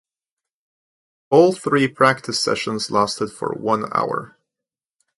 All three practice sessions lasted for one hour.